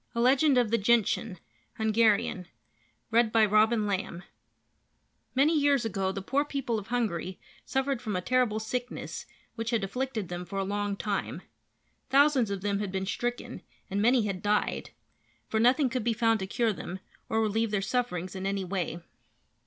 A LEGEND OF THE GENTIAN (Hungarian) Many years ago the poor people of Hungary suffered from a terrible sickness which had afflicted them for a long time. Thousands of them had been stricken and many had died, for nothing could be found to cure them or relieve their sufferings in any way.